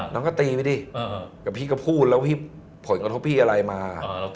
น้องสมบัติตีดื้อพี่ก็พูดแล้วที่เบาส่งวิทยาลัยมา